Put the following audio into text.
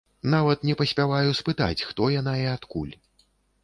Нават не паспяваю спытаць, хто яна і адкуль.